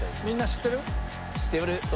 みんな知ってる？